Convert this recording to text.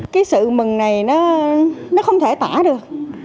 cái sự mừng này nó không thể tỏa được